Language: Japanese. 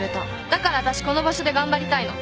だからわたしこの場所で頑張りたいの。